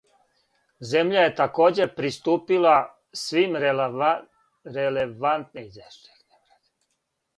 Земља је такође приступила свим релевантним међународним инструментима.